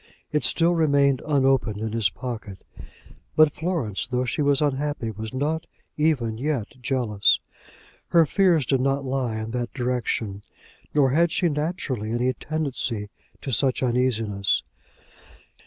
It still remained unopened in his pocket. But Florence, though she was unhappy, was not even yet jealous. Her fears did not lie in that direction, nor had she naturally any tendency to such uneasiness.